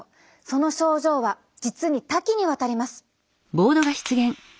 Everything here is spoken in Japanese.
その症状は実に多岐にわたります。